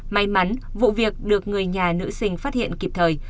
may mắn vụ việc được người nhà nữ sinh phát hiện kịp thời